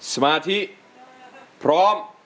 สมาธิพร้อม